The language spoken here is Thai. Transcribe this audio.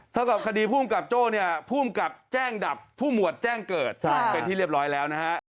เท่ากับคดีภูมิกับโจ้เนี่ยภูมิกับแจ้งดับผู้หมวดแจ้งเกิดเป็นที่เรียบร้อยแล้วนะฮะ